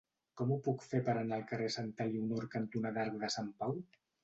Com ho puc fer per anar al carrer Santa Elionor cantonada Arc de Sant Pau?